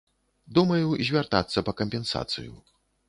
Думаю, звяртацца па кампенсацыю.